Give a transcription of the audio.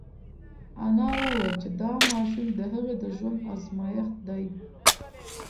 انا وویل چې دا ماشوم د هغې د ژوند ازمېښت دی.